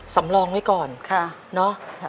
สำรองไว้ก่อนเนาะ